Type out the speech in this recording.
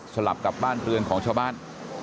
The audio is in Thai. ลับกับบ้านเรือนของชาวบ้าน